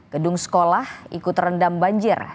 gedung sekolah ikut terendam banjir